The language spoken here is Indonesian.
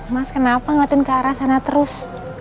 mas kenapa ngeliatin ke arah sana terus